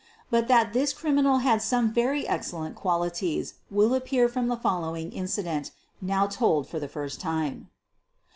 But that this criminal had some very excellent qualities will ap pear from the following incident, now told for the first time.